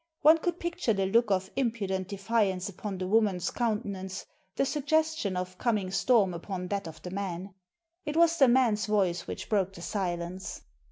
One could picture the look of impudent defiance upon the woman's countenance, the suggestion of coming storm upon that of the man. It was the man's voice which broke the silence.